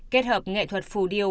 kết hợp nghệ thuật phù điêu